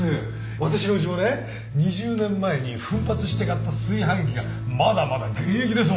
私のうちもね２０年前に奮発して買った炊飯器がまだまだ現役ですもん